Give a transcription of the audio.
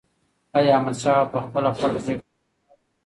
ایا احمدشاه بابا په خپله خوښه جګړې ته لاړ؟